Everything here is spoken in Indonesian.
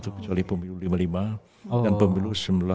kecuali pemilu lima puluh lima dan pemilu seribu sembilan ratus sembilan puluh